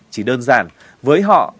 chỉ đơn giản với họ